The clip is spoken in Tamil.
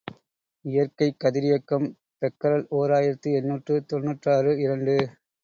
இயற்கைக் கதிரியக்கம் பெக்கரல் ஓர் ஆயிரத்து எண்ணூற்று தொன்னூற்றாறு இரண்டு.